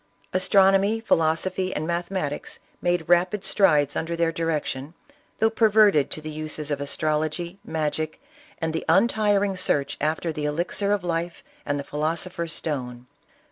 Astrono my, philosophy, and mathematics, made rapid strides 4* 82 ISABELLA OF CASTILE. under their direction, though perverted to the uses of astrology, magic, and the untiring search after the elixir of life and the philosopher's stone.